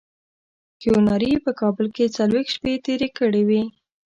کیوناري په کابل کې څلوېښت شپې تېرې کړې وې.